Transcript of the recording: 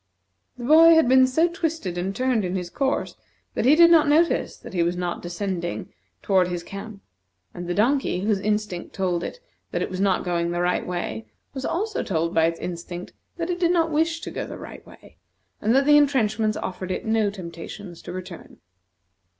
The boy had been so twisted and turned in his course that he did not notice that he was not descending toward his camp, and the donkey, whose instinct told it that it was not going the right way, was also told by its instinct that it did not wish to go the right way, and that the intrenchments offered it no temptations to return.